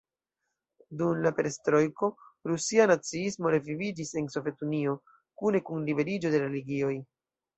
Dum la Perestrojko, Rusia naciismo reviviĝis en Sovetunio, kune kun liberiĝo de religioj.